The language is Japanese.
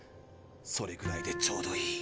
それぐらいでちょうどいい。